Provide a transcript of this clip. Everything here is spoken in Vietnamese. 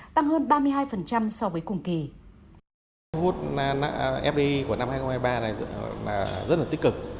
tăng hơn ba mươi hai so với cùng kỳ